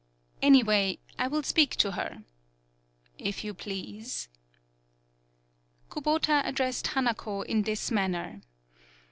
"Anyway, I will speak to her." "If you please." Kubota addressed Hanako in this manner.